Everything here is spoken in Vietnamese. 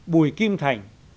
bùi kim thành